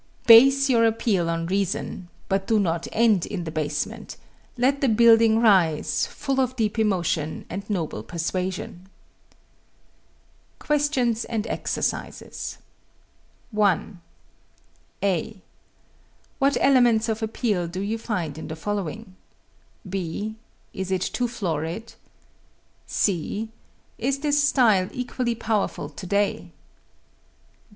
Base your appeal on reason, but do not end in the basement let the building rise, full of deep emotion and noble persuasion. QUESTIONS AND EXERCISES 1. (a) What elements of appeal do you find in the following? (b) Is it too florid? (c) Is this style equally powerful today?